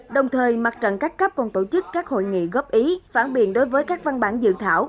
đồng thời mặt trận các cấp còn tổ chức các hội nghị góp ý phản biện đối với các văn bản dự thảo